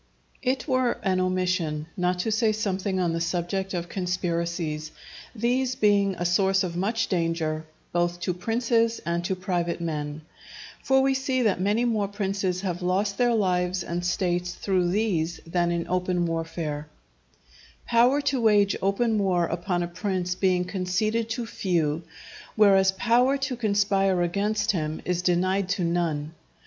_ It were an omission not to say something on the subject of conspiracies, these being a source of much danger both to princes and to private men. For we see that many more princes have lost their lives and states through these than in open warfare; power to wage open war upon a prince being conceded to few, whereas power to conspire against him is denied to none.